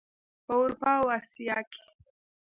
په اروپا او اسیا کې.